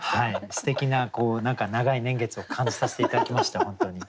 すてきな長い年月を感じさせて頂きました本当に。